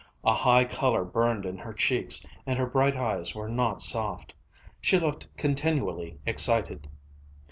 A high color burned in her cheeks, and her bright eyes were not soft. She looked continually excited.